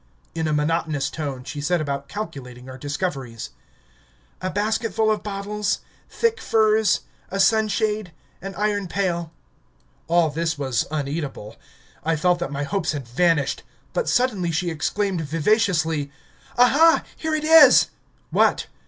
In a monotonous tone she set about calculating our discoveries. "A basketful of bottles thick furs a sunshade an iron pail." All this was uneatable. I felt that my hopes had vanished... But suddenly she exclaimed vivaciously: "Aha! here it is!" "What?"